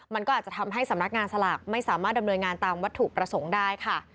มันก็อาจจะทำให้สำนักงานสลากไม่สามารถดำเนินงานตามวัตถุประสงค์ได้ค่ะ